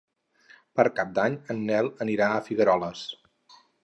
Per Cap d'Any en Nel anirà a Figueroles.